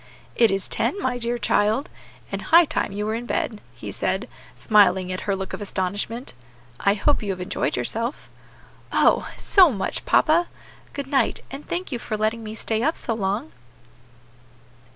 "It is ten, my dear child, and high time you were in bed," he said, smiling at her look of astonishment. "I hope you have enjoyed yourself." "Oh! so much, papa. Good night, and thank you for letting me stay up so long."